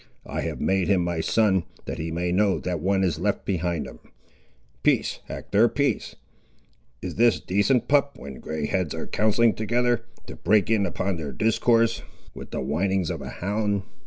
I have made him my son, that he may know that one is left behind him. Peace, Hector, peace! Is this decent, pup, when greyheads are counselling together, to break in upon their discourse with the whinings of a hound!